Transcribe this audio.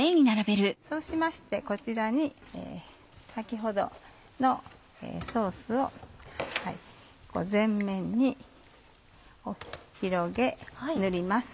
そうしましてこちらに先ほどのソースを全面に広げ塗ります。